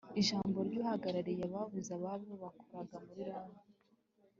ijambo ry'uhagarariye ababuze ababo bakoraga muri loni